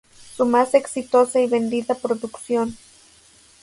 Su más exitosa y vendida producción.